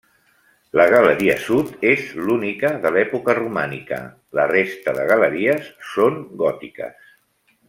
La galeria sud és l'única de l'època romànica, la resta de galeries són gòtiques.